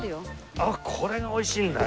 あっこれがおいしいんだよ。